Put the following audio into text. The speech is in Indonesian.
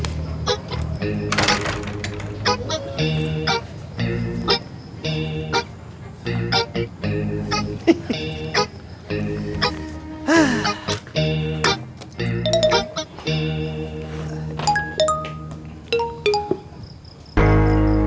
udah ngampil some